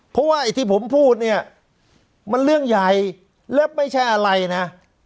เพราะว่าไอ้ที่ผมพูดเนี่ยมันเรื่องใหญ่และไม่ใช่อะไรนะ